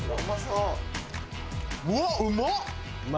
うわっうま！